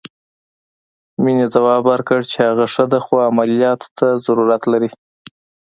مينې ځواب ورکړ چې هغه ښه ده خو عمليات ته ضرورت لري.